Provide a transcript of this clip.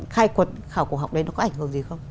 khai quật khảo cổ học đấy nó có ảnh hưởng gì không